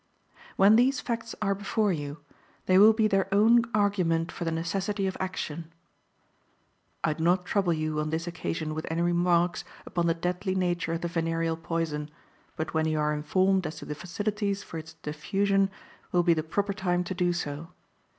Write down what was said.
"When these facts are before you, they will be their own argument for the necessity of action. "I do not trouble you on this occasion with any remarks upon the deadly nature of the venereal poison, but when you are informed as to the facilities for its diffusion will be the proper time to do so.